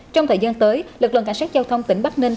trong thời gian tới lực lượng cảnh sát giao thông tỉnh bắc ninh